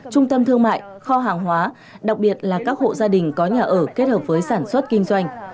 trung tâm thương mại kho hàng hóa đặc biệt là các hộ gia đình có nhà ở kết hợp với sản xuất kinh doanh